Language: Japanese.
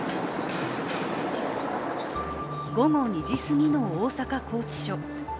午後２時すぎの大阪拘置所。